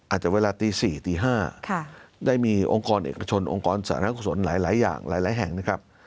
อาจจะเวลาตี๔๕ได้มีองค์กรเอกชนองค์กรสหรัฐกุศลหลายแห่งนะครับ